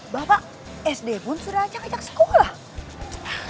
bapak sd pun sudah ajak ajak sekolah